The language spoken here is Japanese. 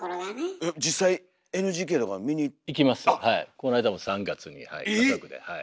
この間も３月に家族ではい。